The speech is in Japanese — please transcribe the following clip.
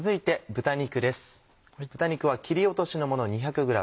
豚肉は切り落としのもの２００ｇ。